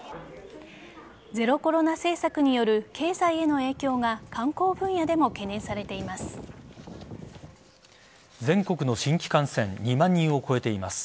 ゼロコロナ政策による経済への影響が観光分野でも懸念されています。